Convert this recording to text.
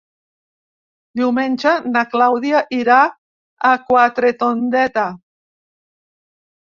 Diumenge na Clàudia irà a Quatretondeta.